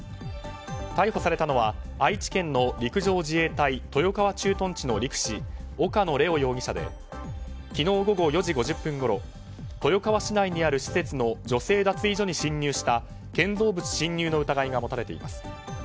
逮捕されたのは愛知県の陸上自衛隊豊川駐屯地の陸士岡野玲央容疑者で昨日午後４時５０分ごろ豊川市内にある施設の女性脱衣所に侵入した建造物侵入の疑いが持たれています。